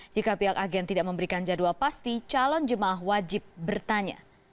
jika pihak agen tidak memberikan jadwal pasti calon jemaah wajib bertanya